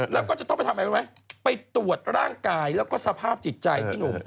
แล้วจะต้องไปตรวจร่างกายและสภาพจิตใจ